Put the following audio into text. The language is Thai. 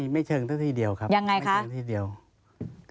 ไม่เชิงทั้งที่เดียวครับไม่เชิงที่เดียวยังไงค่ะ